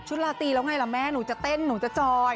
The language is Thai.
ลาตีแล้วไงล่ะแม่หนูจะเต้นหนูจะจอย